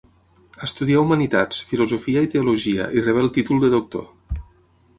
Estudià humanitats, filosofia i teologia i rebé el títol de doctor.